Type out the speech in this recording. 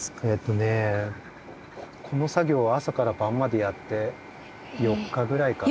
ねこの作業を朝から晩までやって４日ぐらいかな。